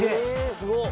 すごっ！